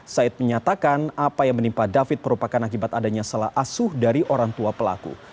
said menyatakan apa yang menimpa david merupakan akibat adanya salah asuh dari orang tua pelaku